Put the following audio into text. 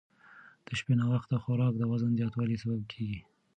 د شپې ناوخته خوراک د وزن زیاتوالي سبب کېږي.